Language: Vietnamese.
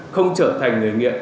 không trở thành người nghiện